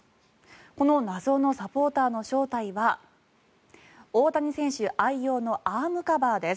この謎のサポーターの正体は大谷選手愛用のアームカバーです。